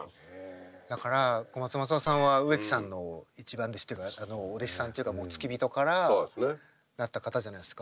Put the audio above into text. だから小松政夫さんは植木さんの一番弟子さんというかお弟子さんっていうか付き人からなった方じゃないですか。